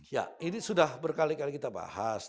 ya ini sudah berkali kali kita bahas